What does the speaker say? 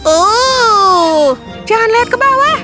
oh jangan lihat ke bawah